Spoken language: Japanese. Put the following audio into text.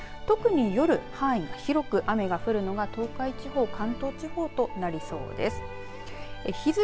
特に夜、範囲が広く雨が降るのが東海地方関東地方となりそうです。